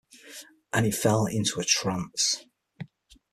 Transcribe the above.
And he fell into a trance.